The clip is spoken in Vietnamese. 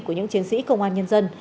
của những chiến sĩ công an nhân dân